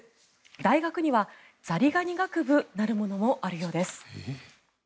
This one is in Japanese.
大学にはザリガニ学部なるものもあるようです。